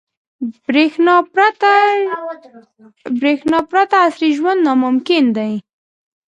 • برېښنا پرته عصري ژوند ناممکن دی.